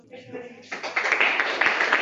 Talaffuzim uncha yaxshi emas, kechiring.